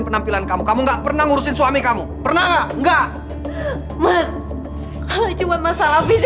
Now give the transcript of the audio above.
tidak ada apa apa lagi